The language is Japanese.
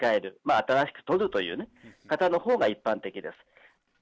新しく取るというね、方のほうが一般的です。